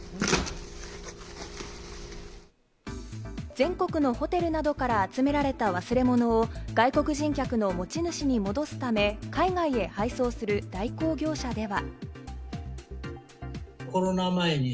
全国のホテルなどから集められた忘れ物を外国人客の持ち主に戻すため、海外へ配送する代行業者では。